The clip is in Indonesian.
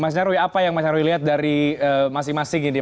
mas nyarwi apa yang mas nyarwi lihat dari masing masing ini